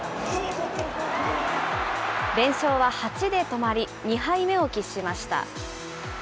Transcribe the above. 連勝は８で止まり、２敗目を喫しました。